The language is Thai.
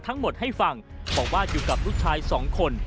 ทั้งหมดให้ฟังบอกว่าอยู่กับลูกชายสองคน